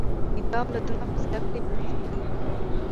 د ده اولادونه په زده کړې بوخت دي